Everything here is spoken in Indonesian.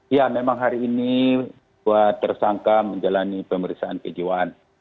ya memang hari ini dua tersangka menjalani pemeriksaan kejiwaan